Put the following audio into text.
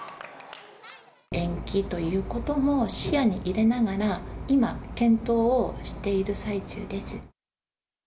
延期ということも視野に入れながら、今、検討をしている最中です。